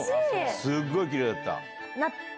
すごいきれいだった。